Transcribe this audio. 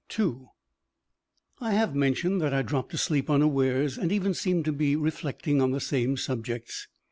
III I have mentioned that I dropped asleep unawares and even seemed to be still reflecting on the same subjects.